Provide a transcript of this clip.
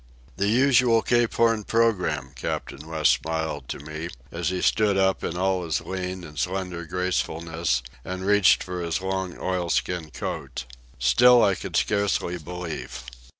"The usual Cape Horn programme," Captain West smiled to me, as he stood up in all his lean and slender gracefulness and reached for his long oilskin coat. Still I could scarcely believe.